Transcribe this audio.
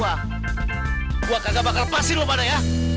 saya tidak akan lepasin lo pada ya